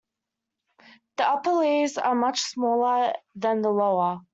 The upper leaves are much smaller than the lower.